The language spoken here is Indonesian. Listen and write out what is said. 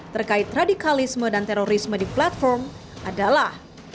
terkait radikalisme dan terorisme di platform adalah